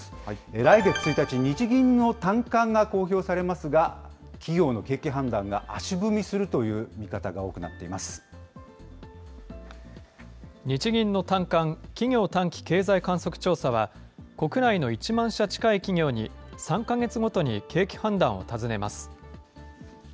来月１日、日銀の短観が公表されますが、企業の景気判断が足踏みするという見方が多くなっていま日銀の短観・企業短期経済観測調査は、国内の１万社近い企業に３か月ごとに景気判断を尋ねます。